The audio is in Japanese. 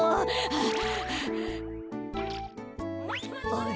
あれ？